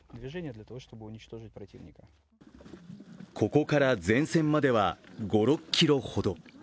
ここから前線までは５６ｋｍほど。